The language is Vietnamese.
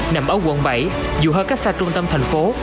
nằm ở quận bảy dù hơi cách xa trung tâm thành phố